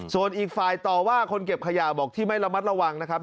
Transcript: ส่วนอีกฝ่ายต่อว่าคนเก็บขยะบอกที่ไม่ระมัดระวังนะครับ